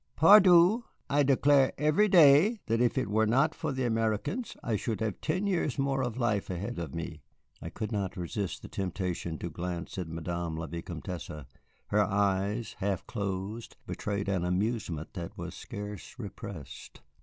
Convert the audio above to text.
Pardieu, I declare every day that, if it were not for the Americans, I should have ten years more of life ahead of me." I could not resist the temptation to glance at Madame la Vicomtesse. Her eyes, half closed, betrayed an amusement that was scarce repressed.